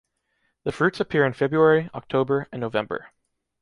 The fruits appear in February, October, and November.